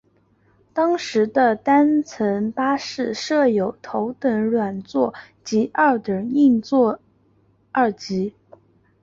当时的单层巴士设有头等软座及二等硬座两级。